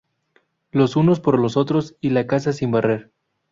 Los unos por los otros y la casa sin barrer